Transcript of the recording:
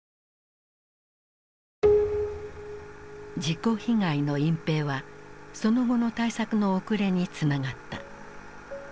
事故被害の隠蔽はその後の対策の遅れにつながった。